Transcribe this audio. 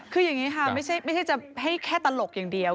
คืออย่างนี้ค่ะไม่ใช่จะให้แค่ตลกอย่างเดียว